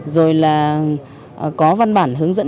rồi là có văn bản hướng dẫn